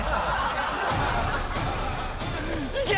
いけ！